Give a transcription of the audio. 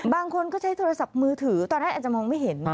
บางคนก็ใช้โทรศัพท์มือถือตอนแรกอาจจะมองไม่เห็น